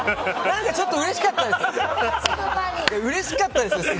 何かちょっとうれしかったです。